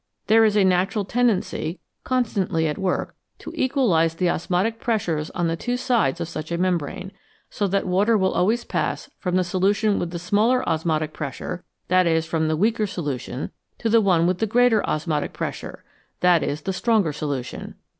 There is a natural tendency, constantly at work, to equalise the osmotic pressures on the two sides of such a mem brane, so that water will always pass from the solution with the smaller osmotic pressure (that is, from the weaker solution) to the one with the greater osmotic pressure (that is, the stronger solution).